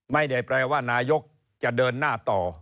ไม่ได้แปลว่านายกจะเดินหน้าต่อ